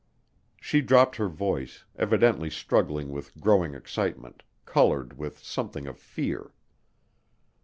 She dropped her voice, evidently struggling with growing excitement, colored with something of fear.